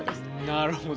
なるほどね。